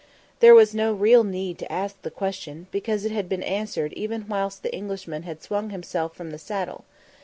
There was no real need to ask the question, because it had been answered even whilst the Englishman had swung himself from the saddle.